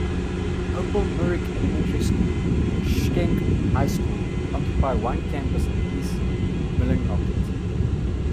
Opal Myrick Elementary School and Schenck High School occupy one campus in East Millinocket.